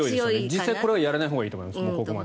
実際、これはやらないほうがいいと思います。